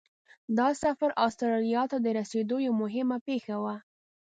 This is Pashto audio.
دا سفر استرالیا ته د رسېدو یوه مهمه پیښه وه.